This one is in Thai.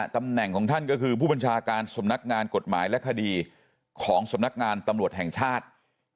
ตำแหน่งของท่านก็คือผู้บัญชาการสำนักงานกฎหมายและคดีของสำนักงานตำรวจแห่งชาติ